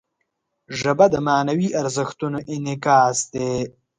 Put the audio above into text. ژبه د معنوي ارزښتونو انعکاس دی